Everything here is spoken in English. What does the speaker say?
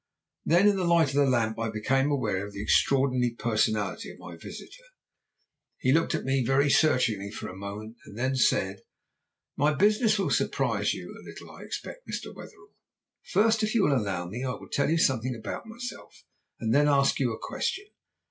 "Then, in the light of the lamp, I became aware of the extraordinary personality of my visitor. He looked at me very searchingly for a moment and then said: 'My business will surprise you a little I expect, Mr. Wetherell. First, if you will allow me I will tell you something about myself and then ask you a question.